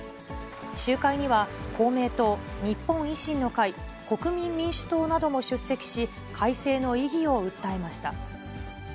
集会には公明党、日本維新の会、国民民主党なども出席し、改正の意義を訴えました。